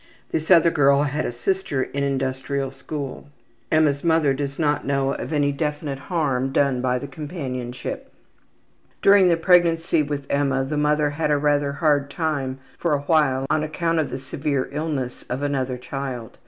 This other girl has a sister in the Industrial School. Emma's mother does not know of any definite harm done by the companionship. During the pregnancy with Emma the mother had a rather hard time for a while on account of the severe illness of another child.